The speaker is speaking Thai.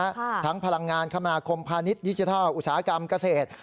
ทั้งพลังงานคมนาคมพาณิชย์ดิจิทัลอุตสาหกรรมเกษตร